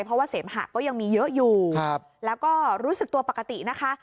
เพราะว่าเสมหะก็ยังมีเยอะอยู่แล้วก็รู้สึกตัวปกตินะคะ